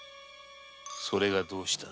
それがどうした。